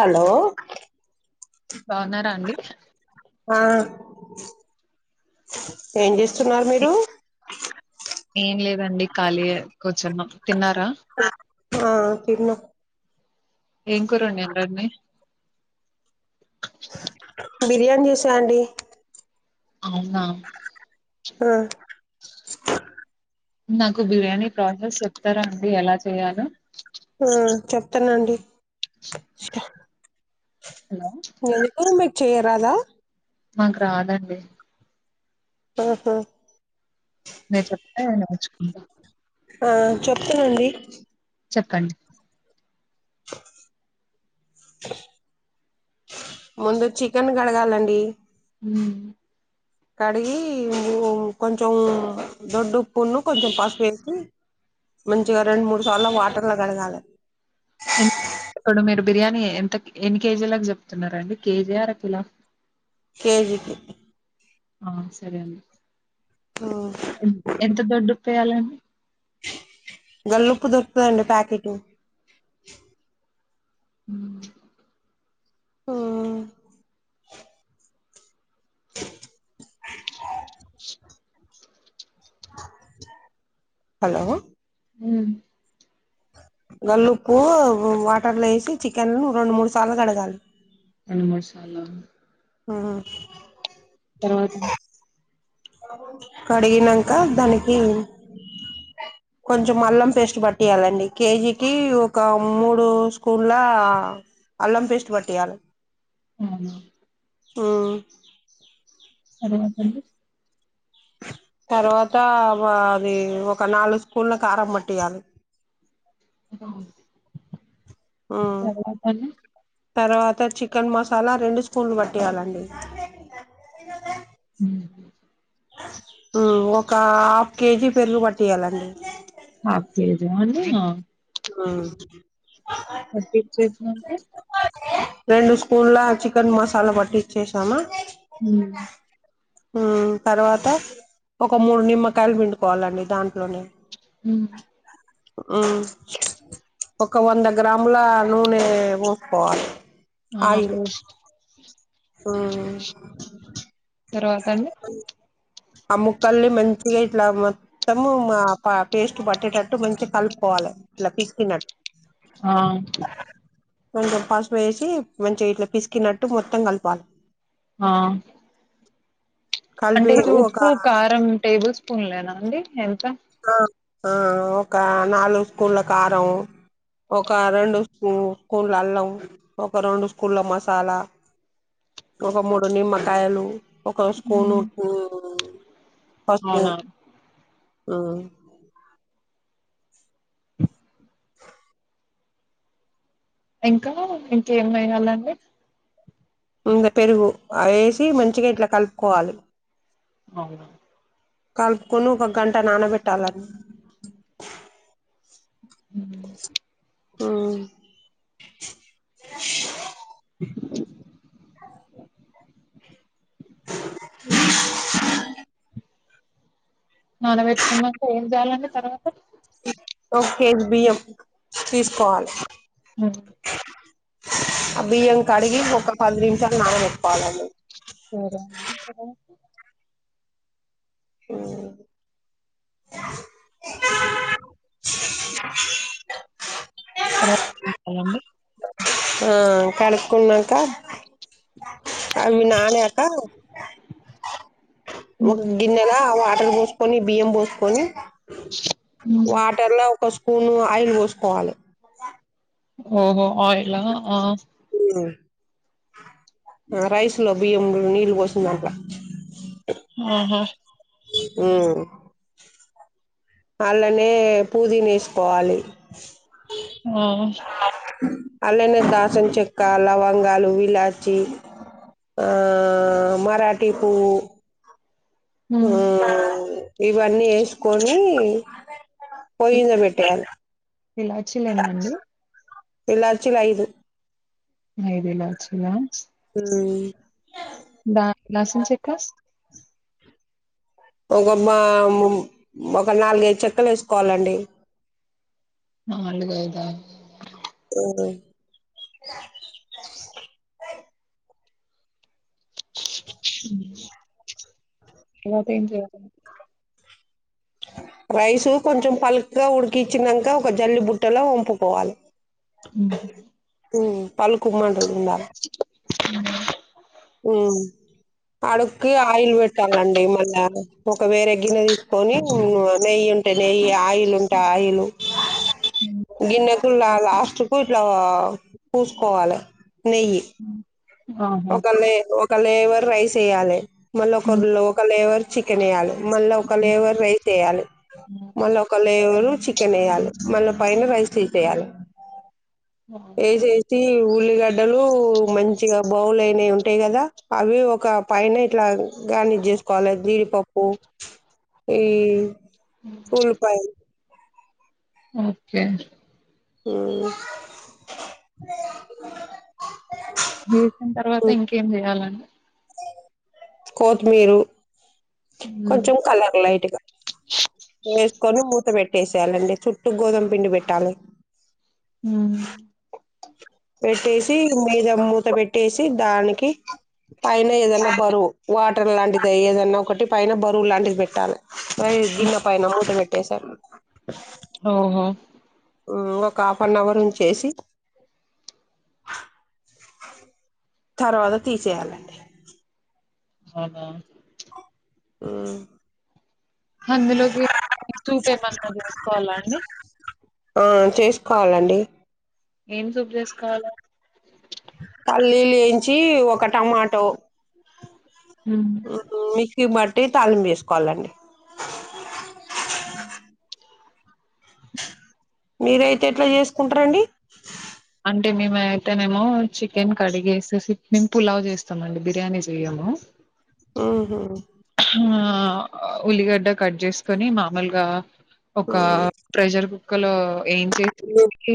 Hello బావున్నారా అండి ఆ ఏం జేస్తున్నారు మీరు ఏ- ఏం లేదండి కాలీఏ కూర్చున్నామ్ తిన్నారా. ఆ తిన్న ఏం కూరొండిండ్రండి. బిర్యాన్ జేసా అండి. ఔనా ఆ నాకు బిర్యానీ ప్రాసెస్ చెప్తరా అండి ఎలా చేయ్యాలో. ఊ చెప్తానండి. హలో [unintelligible] చేయరాద మాక్ రాదండి. అహ మీరు చెప్తే నేర్చ్ కుంట [inaudible] ఆ చెప్తానండి చెప్పండి ముందు చికెన్ కడగాలండి హ్మ్ కడిగి కొంచెం దొడ్డు ఉప్పున్ను, కొంచెం పసుపు వేసి మంచిగా రెండు మూడు సార్లు వాటర్లు కడగాలే ఇప్పుడు మీరు బిర్యానీ ఎంత ఎన్ని కేజీలకు చెప్తునారు అండి కేజీ ఆరకిలొ కేజీ కి ఆ సరే అండి ఎంత దొడ్డు ఉప్పవేయాలండి గల్లుప్పు దొరుకుతదండి ప్యాకెటు హ్మ్ హ్మ్ మ్మ్ హలో హ్మ్ గల్లుప్పు వాటర్లొ వేసి చికెన్ ను రెండు మూడు సార్లు కడగాలి ఎన్ని మసాల లు ఆ తర్వాత కడిగినాక దానికి కొంచెం అల్లం పేస్ట్ పట్టియ్యాలండి కేజీకి ఒక మూడు స్పున్ల అల్లం పేస్ట్ పట్టియాలి అవునా ఆ రేపండి తర్వాత అది ఒక నాలుగు స్పున్ల కారం పట్టియాలి అ [inaudible] ఉమ్ తర్వాత ఆని తర్వాత చికెన్ మసాలా రెండు స్పూన్లు పట్టియాలండి హ ఉ ఒక హాఫ్ కేజీ పెరుగు పట్టియ్యాలండి హాఫ్ కేజియా అండి ఆ పట్టించియేసినంక రెండు స్పూన్ల చికెన్ మసాలా పట్టి ఇచ్చేసాము ఉమ్ తర్వాత ఒక మూడు నిమ్మకాయలు పిండుకోవాలండి దాంట్లోనే ము హ్మ్ ఉ ఒక వంద గ్రాముల నూనె వేసుకోవాలి ఆ పోస్డ్ తర్వాత అండి ఆ ముక్కల్ని మంచిగా ఇట్లా మొత్తము పేస్ట్ పట్టేటట్టు మంచిగా కలుపుకోవాలే ఇట్లా పిసికినట్టు ఆ కొంచెం పసుపు వేసి మంచిగా ఇట్లా పిసికినట్టు మొత్తం కలపాలి ఆ కల్ అంటే పేసి ఒ ఉప్పు కారం టేబు స్పూన్ లేనా అండి ఎంత ఒక నాలుగు స్కూన్ల కారం ఒక రెండు స్పూ స్పూన్ల అల్లం ఒక రెండు స్కూన్ల మసాలా ఒక మూడు నిమ్మకాయలు ఒక స్కూను ఉప్పు పసుపు అవునా ఓ ఇంకా ఇంకేం వెయ్యాలి అండి ఇంగ పెరుగు అ ఏసి మంచిగా ఇట్లా కలుపుకోవాలి అవున కలుపుకొని ఒక గంట నానబెట్టాల ఆటిని హు అ నానబెట్టుకున్నంక ఏం చేయాలండి తర్వాత ఓ కేజి బియ్యం తీసుకోవాలి ఉమ్ ఆ బియ్యం కడిగి ఒక పది నిమిషాలు నాన ఒట్టుకోవాలండి సరే అండి హ కర్రాప్ చూత్తర అండి ఆ కడుక్కుంన్నంక అవి నాన క ఒక ఉమ్ గిన్నెల వా వాటర్ పోసుకొని బియ్యం పోసుకొని ఉమ్ వాటర్ లా ఒక స్పూను ఆయిలు పోసుకోవాలి ఓహో ఆయిలా ఆ రైస్ లో బియ్యం నీళ్లు పోసందాంట్లొ ఆహ ఉ పాళ్లనే పూదిన వేసుకోవాలి ఆ అలానే దాసిన చెక్క లవంగాలు ఇలాచి ఆ మరాఠీ పువ్వు ఆ ఉమ్ ఇవన్నీ ఏసుకొని ఇలాచ్చీ లు ఎన్ని అండి ఇలాచీలు ఐదు ఐదు ఇలాచ్చీలా ను ఇ నసం చెక్కస్ ఒక మాములు ఒక నాలుగైదు చెక్కలు వేసుకోవాలండి నాలుగు ఐదా [unintelligible] తర్వాత ఏం చేయాలే రైసు కొంచెం పలుక్గా ఉడికిచ్చినంక ఒక జల్లి బుట్టల వంపుకోవాలే ఉహు పలుకు మం ఇక్కడ ఉండాలే ఉ ఉ అడుక్కి ఆయిల్ పెట్టాలండి మళ్ళా ఒక వేరే గిన్నె తీసుకొని నెయ్యి ఉంటే నెయ్యి ఆయిల్ ఉంటే ఆయిల్ హలో గిన్న కుల్లా లాస్ట్ పు ఇట్ల వ పూసుకోవాలే నేయ్యి ఆహా ఒక లే ఒక లెవల్ రైస్ ఎయలే మళ్ళ ఒక లోక లెవల్ చికెన్ ఎయాలే మళ్ళా ఒక లేవరు రైస్ ఎయాలే మళ్ళా ఒక లేవరు చికెన్ ఎయాలే మళ్ళా పైన రైస్ తీసేయాలే యేసేసి ఊ ఉల్లిగడ్డలు మంచిగా బౌల్ అయినై ఉంటయి కదా అవి ఒక పైన ఇట్ల గార్నిష్ చేసుకోవాలి జీడిపప్పు ఈ ఉల్లిపాయలు ఓకే ఆ జేసిన తర్వాత ఇంకేం చేయాలండి కోతిమీరు కొంచెం కలర్ లైట్గా వేసుకొని మూత పెట్ పేట్టేసేయాలండి చుట్టూ గోధుమ పిండి పెట్టాలే ఉ పెట్టేసి మీద ము త్త పెట్టేసి దానికి పైన ఏదన్నా బరువు వాటర్ లాంటిదే ఏదన్నా ఒకటి పైన బరువు లాంటిది బెట్టాలే గిన్నె పైన మూతను పెట్టేసాం ఓహొ ఒక హాఫ్ అన్ అవర్ ఉంచేసి తర్వాత తీసేయాలండి అనా ఆ అందులోకి చూపు ఏమన్నా చేసుకోవాలా అండి ఆ చేసుకోవాలండి ఏం సూప్ చేసుకోవాలండి పల్లీలు వేయించి ఒక టమాటో హాం ఇబట్టి తళిం వేసుకోవాలండి మీరయితే ఎట్లా చేసుకుంటారండి అంటే మేము అయితేనేమో చికెన్ కడిగ వేసి మేము పులావ్ చేస్తామండి బిర్యానీ చేయము ఆహ ఆ ఉల్లిగడ్డ కట్ చేసుకొని మామూలుగా ఒక ఉ ప్రెజర్ కుక్ క్కలో ఏం చే తుంచికే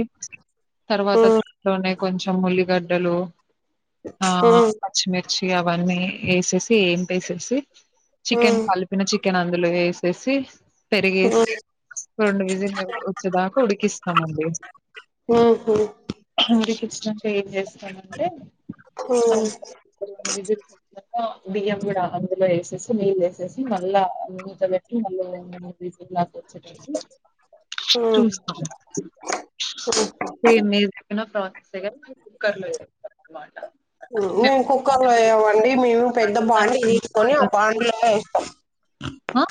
తర్వాత ఉ దాన్ని కొంచెం ఉల్లిగడ్డలు ఆ ఉ ఉ పచ్చిమిర్చి అవన్నీ వేసేసి ఏం చేసేసి చికెన్ ఫలిపిన చి చికెన్ అందులో వేసేసి పెరిగేసి ఉ రెండు విజిలు వచ్చేదాకా ఉడికిస్తామండి ఉహు ఉడికిస్తాం తెల్ చేస్తామంటే ఉ విజిల్ బియ్యం కూడా అందులో వేసి నీళ్ళ వేసేసి మళ్ళా మూత పెట్ట మల్ల ఫీసుల్లాగా వచ్చేటట్టు ఉ చూస్తాం మీరు ప్రక్కన మేము కుక్కర్ లో వెయ్యమండి మేము పెద్ద చేస్తామంటే బాడి దానికి తీసుకొని ఆ బాడి లో అ ఏస్తాం అ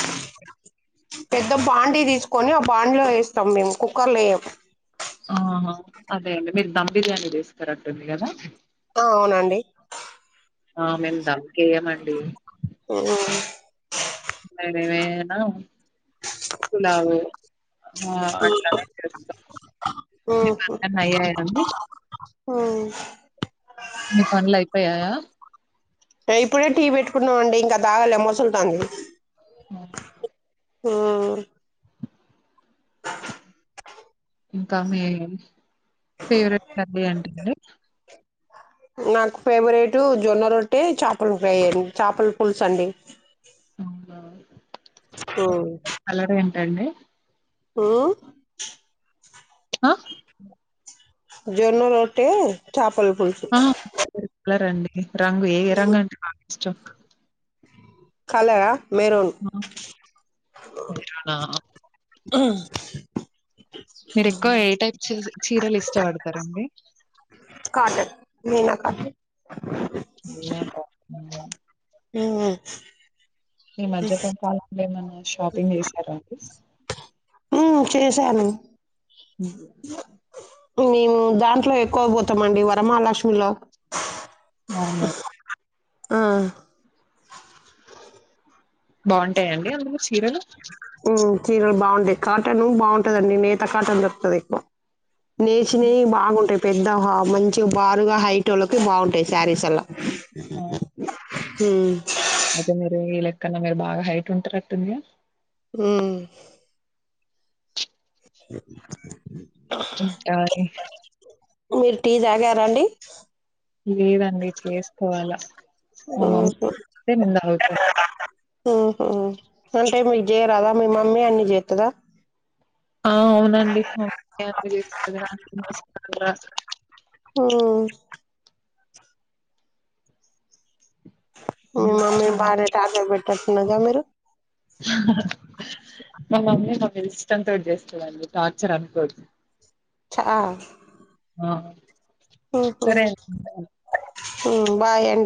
పెద్ద బాండీ తీసుకొని ఆ బాండీలో వేస్తాం మేము కుక్కర్లో వేయం ఆహా అదే అండి మీరు ధమ్ బిర్యానీ తీస్తారంటుంది కదా ఆ అవునండి ఆ మేము దమకేయమండి ఆ అదేనా పులావు ఆ అట్లానే తెస్తాం మీ ఉహు పనులన్న అయ్యానడి మీ పనులు అయిపోయాయా ఏ ఇప్పుడే టీ పెట్టుకున్నామ అండి ఇంకా తాగాలే మోసల్తాంది ఉహ్ ఇంకా మీ ఫేవరెట్ కర్రీ ఏంటండి నాకు ఫేవరెట్ జొన్న రొట్టె, చేపల ఫ్రై, చేపల పులుసు అండి. కలర్ ఏంటండి ఉహ్ అ జొన్న రొట్టె చేపల్ పల్ పులుసు లరండి రంగు ఏ రంగు అంటే బాగా ఇష్టం. కాలరా ఆహ్ ఆహ్ మీరు ఎక్కువ ఏ టైప్ చిస్ చీరలు ఇష్టపడతారండి. కాటన్ మీనా కండి ఏ [unintelligible] ఉహ్ ఈ మజ్జప్పం పాలేమన్నా షాపింగ్ చేసారాండి [unintelligible] ఉహ్ హు మేము దాంట్లో ఎక్కువ పోతామండి. వరమహాలక్ష్మిలో అవున ఆహ్ బాగుంటాయంండి అందులో సిరలు ఉహ్మ్ చీరలు బాగుంటాయి. కాటన్ బాగుంటదండి. నేత కాటన్ దొరుకుతది ఎక్కువ నేచినాయి బాగుంటాయి. పెద్ద వ మంచి బారుగా హైటోళ్ళకి బాగుంటాయి. శారీస్ అల్లా ఆ ఉహ్మ్ అయితే మీరు ఈ లెక్కన్నా. మీరు బాగా హైట్ ఉంటారు అట్టుందిగా. ఉహ్మ్ [unintelligible] కూల్ టీ తాగారండి లేదండి చేస్ పోవాల [unintelligible] మంద ఉహు తగుతమ్ ఉహ అంటే మీకు చేయరాదా మీ మమ్మీ అన్ని చేస్తుదా ఆ అవునండి ఓ మీ మమ్మీ బారే టాట పెట్టట్టున్నాగా మీరు మమమ్మీ మమ్మీ ఇష్టంతో చేస్తువాళడి టార్చర్ అనుకోతు చా ఆ ఉహు సరే ఉమ్ బాయి అండి